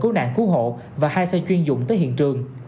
cứu nạn cứu hộ và hai xe chuyên dụng tới hiện trường